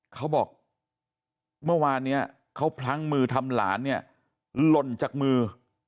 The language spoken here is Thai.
เขาบอกเมื่อวานนี้เขาพลั้งมือทำหลานเนี่ยหล่นจากมือ